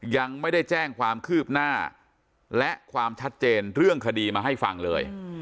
ยังไม่ได้แจ้งความคืบหน้าและความชัดเจนเรื่องคดีมาให้ฟังเลย